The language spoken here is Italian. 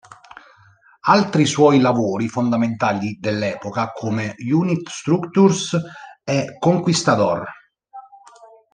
Altri suoi lavori fondamentali dell'epoca, come "Unit Structures" e "Conquistador!